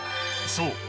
そう。